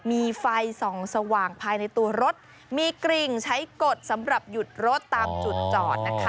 มีไฟส่องสว่างภายในตัวรถมีกริ่งใช้กฎสำหรับหยุดรถตามจุดจอดนะคะ